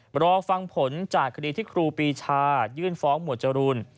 รอฟังผลจากคดีที่ครูปีชายื่นฟ้องหมวดจรูน